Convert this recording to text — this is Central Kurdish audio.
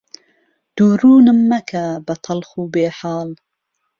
دوروونم مهکه به تهڵخ وبێ حاڵ